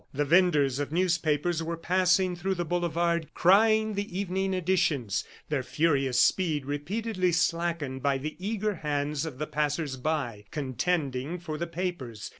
The venders of newspapers were passing through the boulevard crying the evening editions, their furious speed repeatedly slackened by the eager hands of the passers by contending for the papers.